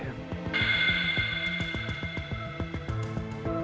ketika dia berada di rumah